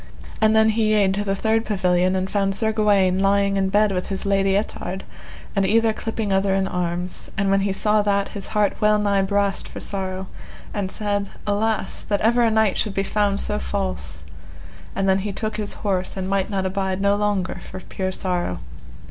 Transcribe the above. And then he yede to the third pavilion and found Sir Gawaine lying in bed with his Lady Ettard, and either clipping other in arms, and when he saw that his heart well nigh brast for sorrow, and said: Alas! that ever a knight should be found so false; and then he took his horse and might not abide no longer for pure sorrow.